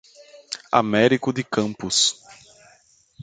Américo de Campos